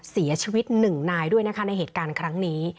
เสียชีวิตหนึ่งนายด้วยนะคะในเหตุการณ์ครั้งนี้